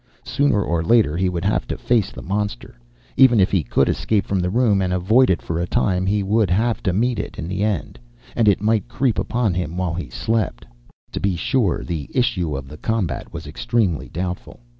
Sooner or later, he would have to face the monster. Even if he could escape from the room and avoid it for a time, he would have to meet it in the end. And it might creep upon him while he slept. To be sure, the issue of the combat was extremely doubtful.